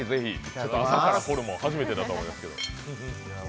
朝からホルモン、初めてだと思いますけど。